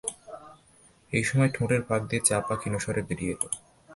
এই সময় ঠোঁটের ফাঁক দিয়ে চাপা ক্ষীণস্বরে বেরিয়ে এল।